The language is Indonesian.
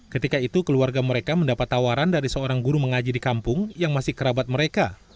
ketika itu keluarga mereka mendapat tawaran dari seorang guru mengaji di kampung yang masih kerabat mereka